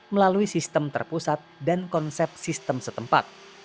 melalui sistem terpusat dan konsep sistem setempat